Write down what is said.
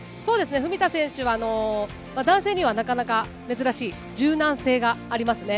文田選手は男性には、なかなか珍しい柔軟性がありますね。